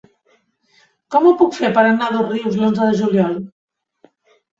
Com ho puc fer per anar a Dosrius l'onze de juliol?